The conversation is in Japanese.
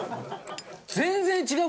全然違う！